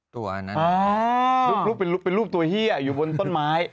ตัวอันนั้นอ่ารูปเป็นรูปเป็นรูปตัวเฮียอยู่บนต้นไม้